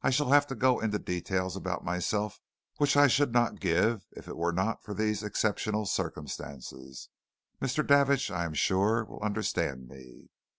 I shall have to go into details about myself which I should not give if it were not for these exceptional circumstances. Mr. Davidge, I am sure, will understand me.